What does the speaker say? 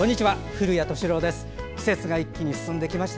古谷敏郎です。